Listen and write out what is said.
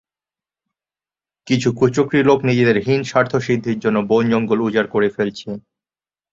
কিছু কুচক্রী লোক নিজেদের হীন স্বার্থ সিদ্ধির জন্য বন-জঙ্গল উজাড় করে ফেলছে।